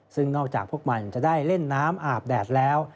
ซึ่งนอกจากพวกมันจะได้เล่นน้ำอาบแดดแล้ว